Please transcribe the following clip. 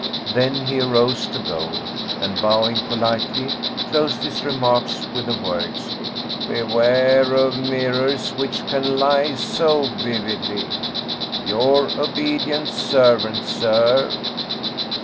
Then he arose to go, and bowing politely, closed his remarks with the words, " Beware of mirrors which can lie so vividly. Your obedient servant, sir."